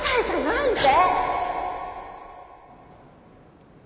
何で？